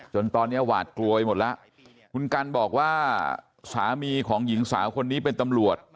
จนตอนนี้หวาดกลัวไปหมดแล้วคุณกันบอกว่าสามีของหญิงสาวคนนี้เป็นตำรวจ